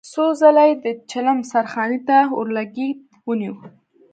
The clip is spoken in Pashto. څو ځله يې د چيلم سرخانې ته اورلګيت ونيو.